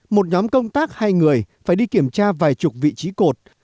một nhóm công tác hai người phải đi kiểm tra vài chục vị trí cột